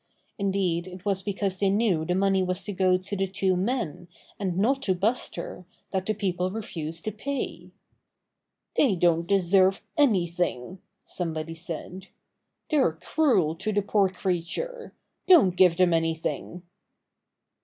Indeed, it was because they knew the money was to go to the two men and not to Buster that the peo ple refused to pay. "They don't deserve anything!" somebody said. "They're cruel to the poor creature! Don't give them anything!"